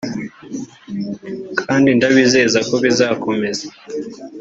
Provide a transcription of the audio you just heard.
kandi ndabizeza ko bizakomeza”